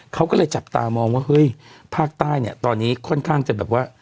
เขาก็เลยจับตามองว่าเฮ้ยภาคใต้เนี่ยตอนนี้ค่อนข้างจะแบบว่า